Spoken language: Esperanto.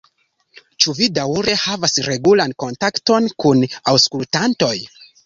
Ĉu vi daŭre havas regulan kontakton kun aŭskultantoj?